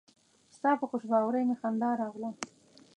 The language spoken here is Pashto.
ستا په خوشباوري مې خندا راغله.